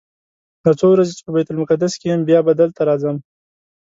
دا څو ورځې چې په بیت المقدس کې یم بیا به دلته راځم.